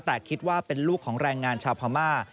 แต่คิดว่าเป็นลูกของแรงงานชาวพม่า